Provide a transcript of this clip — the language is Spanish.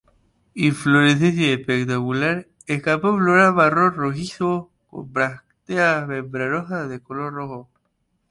Inflorescencia espectacular; escapo floral marrón rojizo, con brácteas membranosas de color rojo.